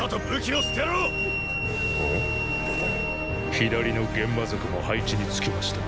左のゲンマ族も配置につきました。